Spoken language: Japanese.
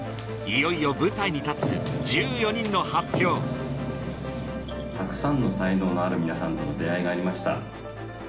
いよいよたくさんの才能のある皆さんとの出会いがありました。